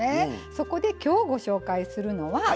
そこできょうご紹介するのは。